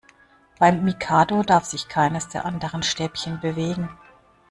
Beim Mikado darf sich keines der anderen Stäbchen bewegen.